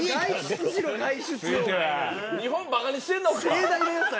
日本ばかにしてんのか。